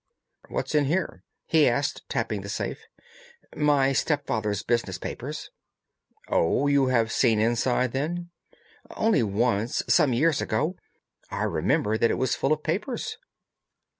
"What's in here?" he asked, tapping the safe. "My stepfather's business papers." "Oh! you have seen inside, then?" "Only once, some years ago. I remember that it was full of papers."